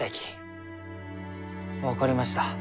分かりました。